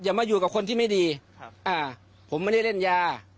อย่ามาอยู่กับคนที่ไม่ดีผมไม่ได้เล่นยา